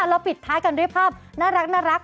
ปิดท้ายกันด้วยภาพน่ารัก